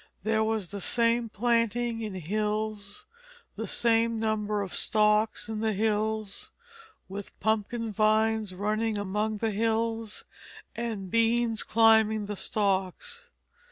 There was the same planting in hills, the same number of stalks in the hill, with pumpkin vines running among the hills, and beans climbing the stalks.